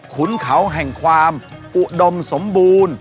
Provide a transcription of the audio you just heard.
ขุนเขาแห่งความอุดมสมบูรณ์